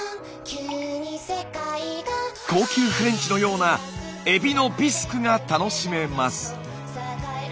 高級フレンチのようなエビのビスクが楽しめます。